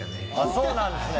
そうなんですね。